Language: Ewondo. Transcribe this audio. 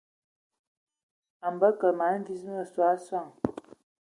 A bə kəlǝg mana vis mǝtsɔ a sɔŋ dzie.